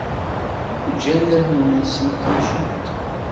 Ǧǧan allen-nsen qemcent.